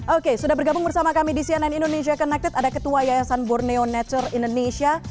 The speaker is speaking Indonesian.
oke sudah bergabung bersama kami di cnn indonesia connected ada ketua yayasan borneo nature indonesia